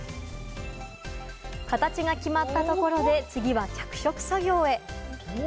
形が決まったところで、次は着色作業へ。